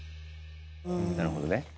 なるほどね。